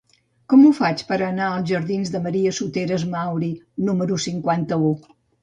Com ho faig per anar a la jardins de Maria Soteras Mauri número cinquanta-u?